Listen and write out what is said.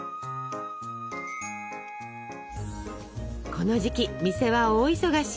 この時期店は大忙し！